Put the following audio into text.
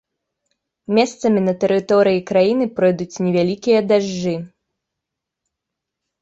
Месцамі на тэрыторыі краіны пройдуць невялікія дажджы.